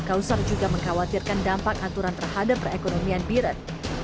kausar juga mengkhawatirkan dampak aturan terhadap perekonomian biren